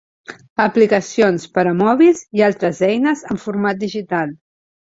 Aplicacions per a mòbils i altres eines en format digital.